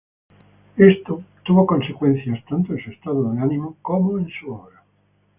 Esto tuvo consecuencias tanto en su estado de ánimo como en su obra.